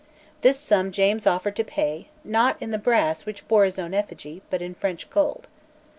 This sum James offered to pay, not in the brass which bore his own effigy, but in French gold.